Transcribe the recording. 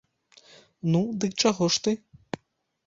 Ну, дык чаго ж ты?